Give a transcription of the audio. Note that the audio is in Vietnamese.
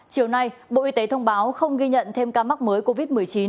chiều nay bộ y tế thông báo không ghi nhận thêm ca mắc mới covid một mươi chín